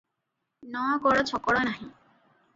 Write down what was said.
ନ କଡ଼ ଛକଡ଼ ନାହିଁ ।